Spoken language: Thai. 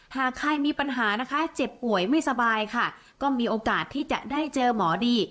หากใครมีปัญหานะคะเจ็บป่วยไม่สบายค่ะก็มีโอกาสที่จะได้เจอหมอดี